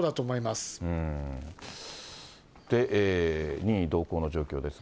任意同行の状況ですが。